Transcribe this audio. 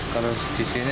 kalau di sini